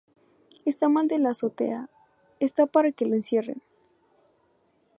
Está mal de la azotea. Está para que lo encierren